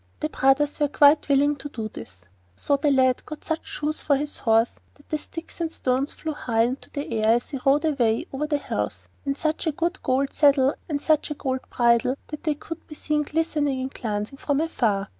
The brothers were quite willing to do this; so the lad got such shoes for his horse that the sticks and stones flew high up into the air as he rode away over the hills, and such a gold saddle and such a gold bridle that they could be seen glittering and glancing from afar.